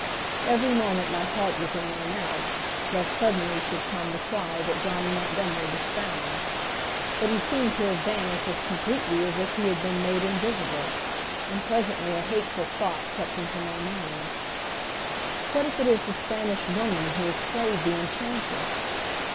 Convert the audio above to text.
Every moment my heart was in my mouth, lest suddenly should come the cry that Johnny Montgomery was found; but he seemed to have vanished as completely as if he had been made invisible; and presently a hateful thought crept into my mind: "What if it is the Spanish Woman who has played the enchantress?"